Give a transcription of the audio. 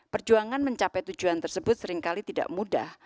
perjuangan mencapai tujuan tersebut seringkali tidak mudah